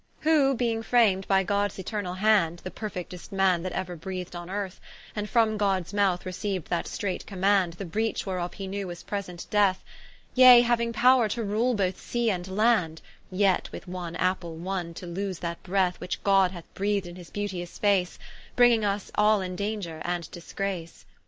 Who being fram'd by Gods eternall hand, The perfect'st man that euer breath'd on earth, And from Gods mouth receiu'd that strait command, The breach whereof he knew was present death: Yea hauing powre to rule both Sea and Land, Yet with one Apple wonne to loose that breath, Which God hath breathed in his beauteous face, Bringing vs all in danger and disgrace.